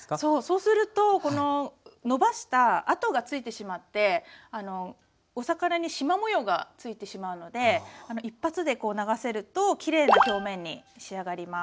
そうするとこののばした跡がついてしまってお魚にしま模様がついてしまうので一発でこう流せるときれいな表面に仕上がります。